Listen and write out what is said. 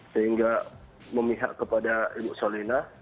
sehingga memihak kepada ibu solina